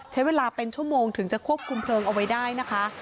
ใช้เวลาเป็นชั่วโมงถึงจะควบคุมเพลิงเอาไว้ได้นะคะ